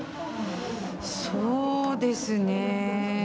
そうですね。